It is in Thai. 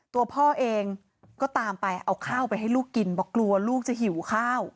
ตัวพ่อเองก็ตามไปเอาข้าวไปให้ลูกกินบอกกลัวลูกจะหิวข้าว